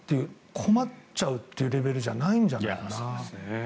困っちゃうというレベルじゃないんじゃないかな。